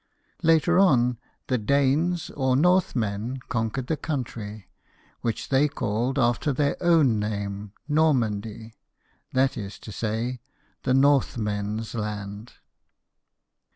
Later on, the Danes or Northmen conquered the country, which they called after their own name, Nor mandy, that is to say, the Northmen's land.